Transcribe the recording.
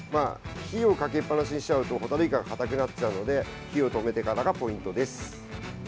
火をかけっぱなしにしちゃうとホタルイカが固くなっちゃうので火を止めてからがポイントです。